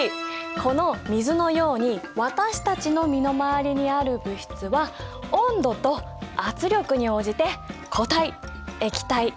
この水のように私たちの身の回りにある物質は温度と圧力に応じて固体液体気体のいずれかの状態をとる。